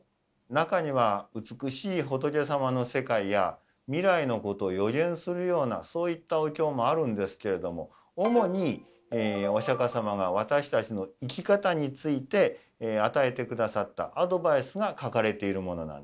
中には美しい仏様の世界や未来のことを予言するようなそういったお経もあるんですけれども主にお釈様が私たちの生き方について与えて下さったアドバイスが書かれているものなんです。